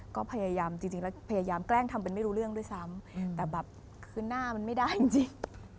ก็พยายามจริงแล้วพยายามแกล้งทำเป็นไม่รู้เรื่องด้วยซ้ำแต่แบบคือหน้ามันไม่ได้จริง